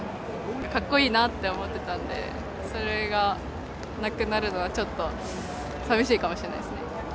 格好いいなって思ってたんで、それがなくなるのは、ちょっとさみしいかもしれないですね。